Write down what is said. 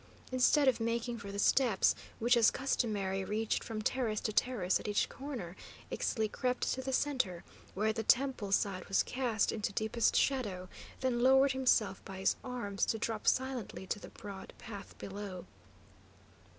Instead of making for the steps which, as customary, reached from terrace to terrace at each corner, Ixtli crept to the centre, where the temple side was cast into deepest shadow, then lowered himself by his arms, to drop silently to the broad path below.